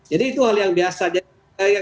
jadi itu hal yang biasa